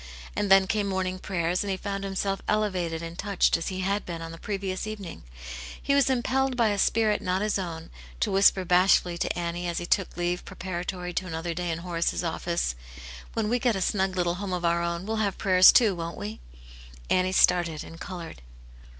And then came morning prayers, and he found himself elevated and touched as he had been on the previous evening. He was impelled by a spirit not his own, to whisper bashfully to Annie, as he took leave preparatory to another day in Horace's office, " When we get a snug little home of our own, we'll have prayers, too, won't we }" Annie started and coloured.